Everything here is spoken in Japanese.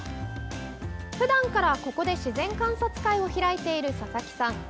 普段からここで自然観察会を開いている佐々木さん。